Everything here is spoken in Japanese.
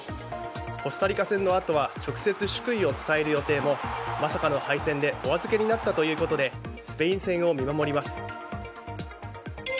コスタリカ戦のあとは直接祝意を伝える予定もまさかの敗戦でおあずけになったということでスペイン戦を見守ります。